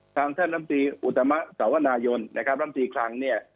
ท่านลำตีอุตมะสาวนายนนะครับลำตีคลังเนี่ย